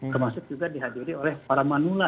termasuk juga dihadiri oleh para manula